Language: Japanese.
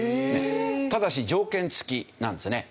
ただし条件付きなんですね。